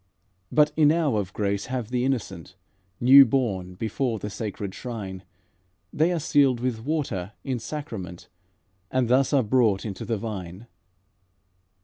"But enow of grace have the innocent New born, before the sacred shrine, They are sealed with water in sacrament, And thus are brought into the vine.